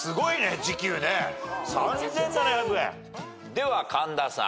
では神田さん。